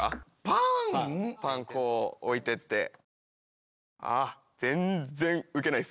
パンこう置いてって。